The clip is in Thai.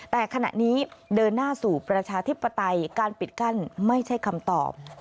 แต่ขณะนี้เดินหน้าสู่ประชาธิปไตยการปิดกั้นไม่ใช่คำตอบ